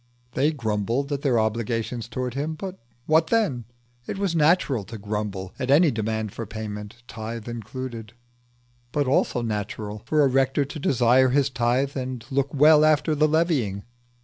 They grumbled at their obligations towards him; but what then? It was natural to grumble at any demand for payment, tithe included, but also natural for a rector to desire his tithe and look well after the levying.